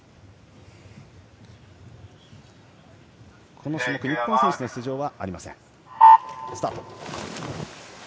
この種目、日本選手の出場はありません。